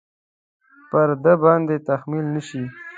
پر ده باندې تحمیل نه شي.